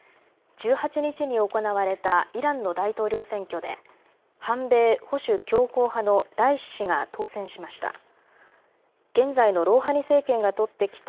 １８日に行われたイランの大統領選挙で反米・保守強硬派のライシ師が当選しました。